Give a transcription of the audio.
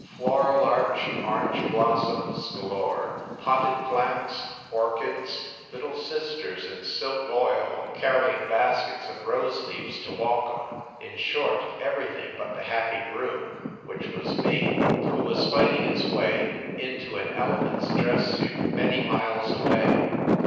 Floral arch, orange blossoms ga lore, potted plants, orchids. Little sisters in silk voile, carrying baskets of rose leaves to walk on. In short, everything but the happy groom, which was me, who was fighting his way into an elephant s dress suit, many miles away.